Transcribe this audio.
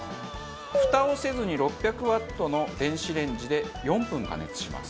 ふたをせずに６００ワットの電子レンジで４分加熱します。